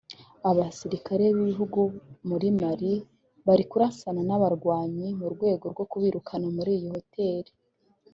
Abasirikare b’igihugu muri Mali bari kurasana n’aba barwanyi mu rwego rwo kubirukana muri iyi hotel